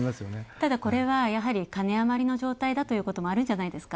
ただ、これはやはり種余りの状態だということもあるんじゃないですか？